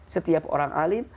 setiap orang alim